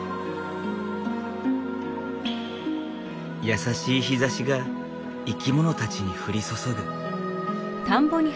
優しい日ざしが生き物たちに降り注ぐ。